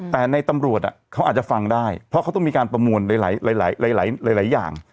แต่ในตำรวจอ่ะเขาอาจจะฟังได้เพราะเขาต้องมีการประมวลหลายหลายหลายหลายหลายหลายอย่าง